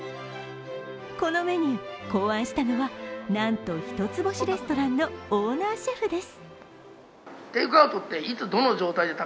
このメニュー、考案したのはなんと一つ星レストランのオーナーシェフです。